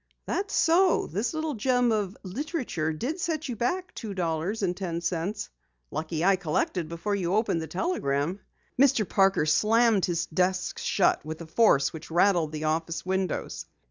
"That's so, this little gem of literature did set you back two dollars and ten cents. Lucky I collected before you opened the telegram." Mr. Parker slammed his desk shut with a force which rattled the office windows.